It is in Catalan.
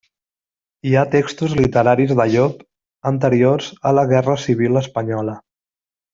Hi ha textos literaris de Llop anteriors a la Guerra civil espanyola.